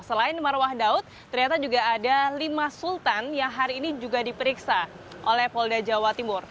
selain marwah daud ternyata juga ada lima sultan yang hari ini juga diperiksa oleh polda jawa timur